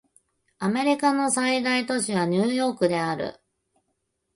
アメリカの最大都市はニューヨークである